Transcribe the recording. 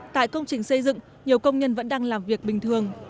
tại công trình xây dựng nhiều công nhân vẫn đang làm việc bình thường